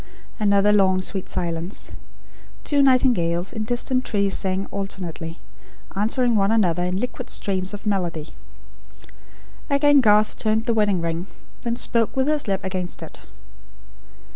Another long sweet silence. Two nightingales, in distant trees, sang alternately; answering one another in liquid streams of melody. Again Garth turned the wedding ring; then spoke, with his lips against it.